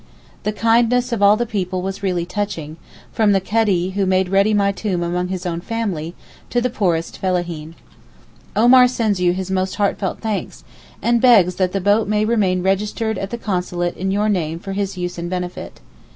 The kindness of all the people was really touching, from the Kadee who made ready my tomb among his own family, to the poorest fellaheen. Omar sends you his most heartfelt thanks, and begs that the boat may remain registered at the Consulate in your name for his use and benefit.